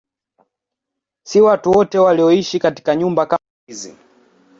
Si watu wote walioishi katika nyumba kama hizi.